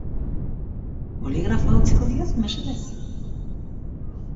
Boligrafoa utziko didazu, mesedez?